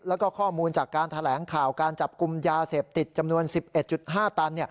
แล้วก็ข้อมูลจากการแถลงข่าวการจับกลุ่มยาเสพติดจำนวน๑๑๕ตัน